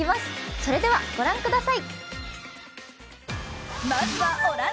それではご覧ください。